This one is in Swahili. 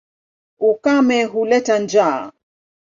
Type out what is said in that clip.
Ukame huleta njaa.